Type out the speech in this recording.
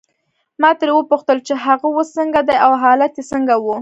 ما ترې وپوښتل چې هغه اوس څنګه دی او حالت یې څنګه وو.